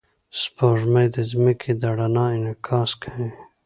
سپوږمۍ د ځمکې د رڼا انعکاس کوي